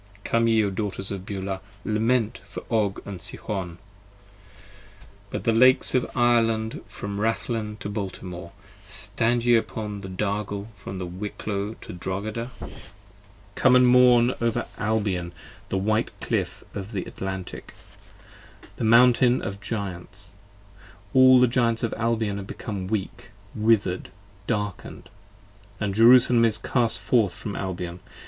Come ye O Daughters of Beulah, lament for Og & Sihon, Upon the Lakes of Ireland from Rathlen to Baltimore: 5 Stand ye upon the Dargle from Wicklow to Drogheda, 55 Come & mourn over Albion the White Cliff of the Atlantic, The Mountain of Giants: all the Giants of Albion are become Weak, wither'd, darken'd: & Jerusalem is cast forth from Albion.